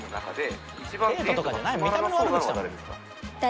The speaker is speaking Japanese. デートとかじゃない見た目の悪口だもん。